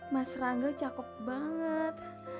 mas rangel cakep banget